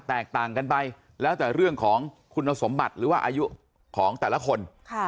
แตกต่างกันไปแล้วแต่เรื่องของคุณสมบัติหรือว่าอายุของแต่ละคน